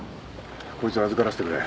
こいつを預からせてくれ。